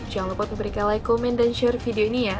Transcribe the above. jangan lupa untuk berikan like komen dan share video ini ya